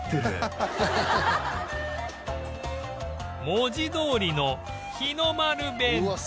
文字どおりの日の丸弁当